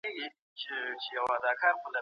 سم نیت ناکامي نه خپروي.